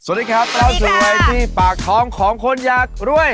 สวัสดีครับแล้วสู่เวทีปากท้องของคนอยากรวย